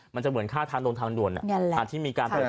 มันจะเหมือนค่าทางลงทางด่วนที่มีการเพิ่ม